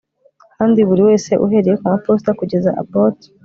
Kandi buriwese uhereye kumaposita kugeza abot